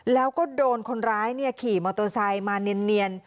แล้วก็โดนคนร้ายขี่มอเตอร์ไซค์มาเนียน